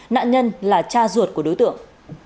nạn nhân là cha ruột của đối tượng